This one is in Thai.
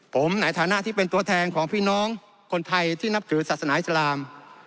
ผมในฐานะที่เป็นตัวแทนของพี่น้องคนไทยที่นับถือศาสนาอิสลาม